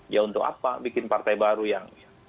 ya untuk apa bikin partai baru yang